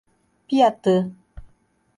Piatã